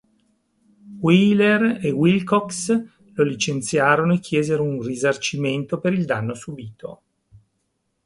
Wheeler e Wilcox lo licenziarono e chiesero un risarcimento per il danno subito.